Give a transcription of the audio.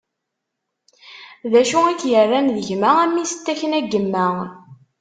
D acu i k-irran d gma, a mmi-s n takna n yemma?